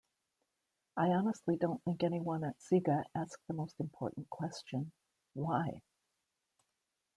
I honestly don't think anyone at Sega asked the most important question: 'Why?